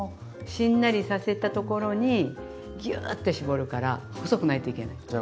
しんなりさせたところにギューッて絞るから細くないといけない。